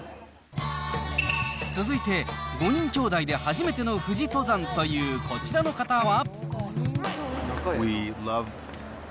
続いて、５人兄弟で初めての富士登山というこちらの方は。